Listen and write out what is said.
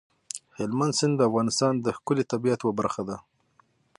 هلمند سیند د افغانستان د ښکلي طبیعت یوه برخه ده.